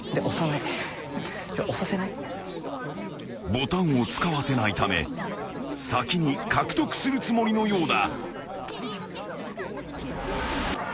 ［ボタンを使わせないため先に獲得するつもりのようだ］